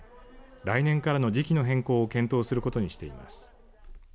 来年からの時期の変更を検討することにしています。